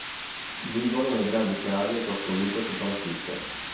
Vivono in grandi case costruite su palafitte.